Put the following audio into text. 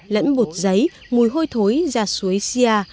lẫn bột giấy mùi hôi thối ra suối sia